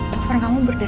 ya udah nawas kocor rati